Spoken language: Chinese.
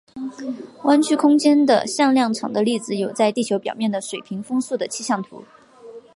弯曲空间的向量场的例子有在地球表面的水平风速的气象图。